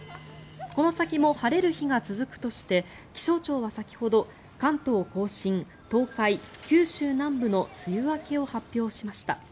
この先も晴れる日が続くとして気象庁は先ほど関東・甲信、東海、九州南部の梅雨明けを発表しました。